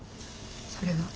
それが？